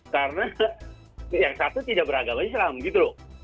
karena yang satu tidak beragama islam gitu loh